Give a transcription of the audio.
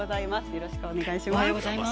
よろしくお願いします。